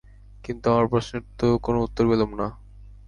কিন্তু আমার প্রশ্নের তো কোনো উত্তর পেলুম না।